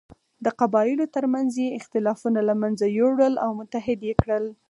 د قبایلو تر منځ یې اختلافونه له منځه یووړل او متحد یې کړل.